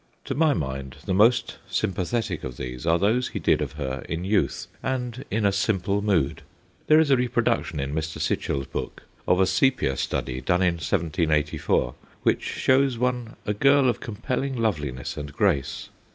To my mind the most sympathetic of these are those he did of her in youth, and in a simple mood. There is a reproduction in Mr. SicheFs book of a sepia study, done in 1784, which shows one a girl of compelling loveliness and grace.